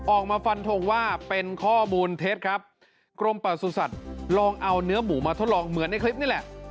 ออกมาฟันทงว่าเป็นข้อมูลเท็จครับกรมประสุทธิ์ลองเอาเนื้อหมูมาทดลองเหมือนในคลิปนี่แหละ